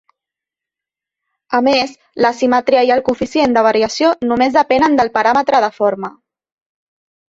A més, la asimetria i el coeficient de variació només depenen del paràmetre de forma.